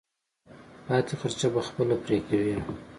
پاتې خرچه به خپله پرې کوې.